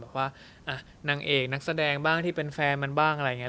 บอกว่านางเอกนักแสดงบ้างที่เป็นแฟนมันบ้างอะไรอย่างนี้